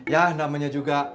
ya namanya juga